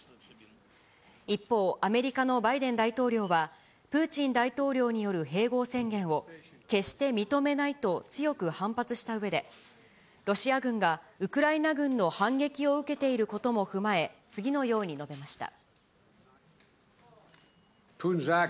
一方、アメリカのバイデン大統領は、プーチン大統領による併合宣言を決して認めないと強く反発したうえで、ロシア軍がウクライナ軍の反撃を受けていることも踏まえ、次のように述べました。